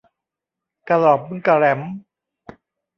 กะหร็อมกะแหร็ม